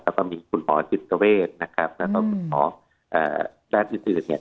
แล้วก็มีคุณหมอจิตเวทนะครับแล้วก็คุณหมอด้านอื่นอื่นเนี่ย